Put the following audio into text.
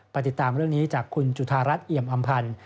ติดตามเรื่องนี้จากคุณจุธารัฐเอี่ยมอำพันธ์